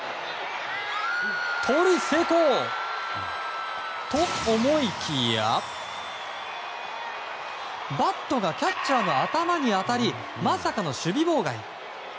盗塁成功と思いきやバットがキャッチャーの頭に当たりまさかの守備妨害。